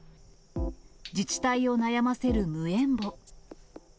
自治体を悩ませる無縁墓。